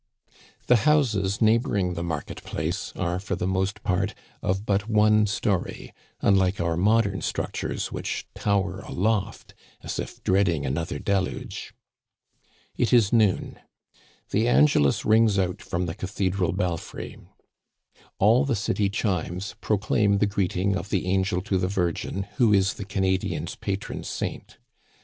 The houses neighboring the market place are, for the most part, of but one story, unlike our modern structures, which tower aloft as if dreading another deluge. It is noon. The Angelus rings out from the cathe dral belfry. All the city chimes proclaim the greeting of the angel to the Virgin, who is the Canadian's pa tron saint.